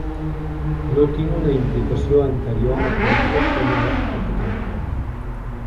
No tinc una implicació anterior a la política espanyola o catalana.